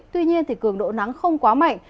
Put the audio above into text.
tuy nhiên cường độ nắng không quá mạnh